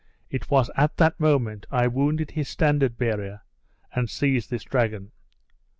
It was at that moment I wounded his standard bearer, and seized this dragon."